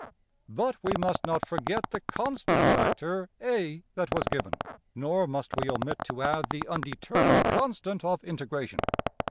But we must not forget the constant factor~$a$ that was given, nor must we omit to add the undetermined constant of integration.